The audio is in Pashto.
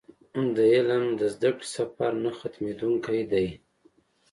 د علم د زده کړې سفر نه ختمېدونکی دی.